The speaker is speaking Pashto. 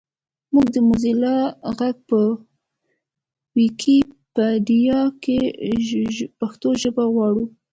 مونږ د موزیلا غږ په ویکیپېډیا کې پښتو ژبه غواړو